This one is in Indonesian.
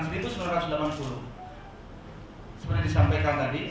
sebenarnya disampaikan tadi